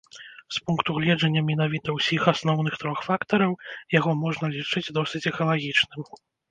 З пункту гледжання менавіта ўсіх асноўных трох фактараў яго можна лічыць досыць экалагічным.